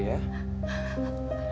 ya ampun ya